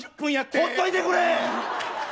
ほっといてくれ！